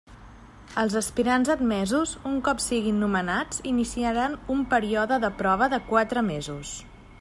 Els aspirants admesos, un cop siguin nomenats iniciaran un període de prova de quatre mesos.